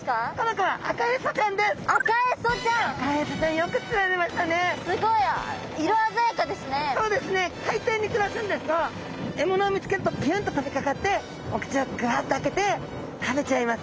かいていにくらすんですがえものを見つけるとピュンととびかかってお口をぐわっとあけて食べちゃいます。